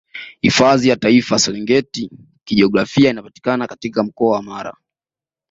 Hifadhi ya Taifa ya Serengeti Kijiografia inapatikana katika Mkoa wa Mara